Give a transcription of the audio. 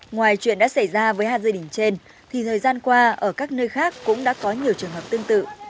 ngoài chuyện đã xảy ra với hai gia đình trên thì thời gian qua ở các nơi khác cũng đã có nhiều trường hợp tương tự